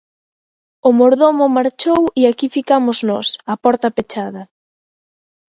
O mordomo marchou e aquí ficamos nós, a porta pechada.